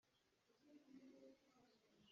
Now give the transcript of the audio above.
Kan maṭhan nih mi dum a ei i, kan cham hna a hau.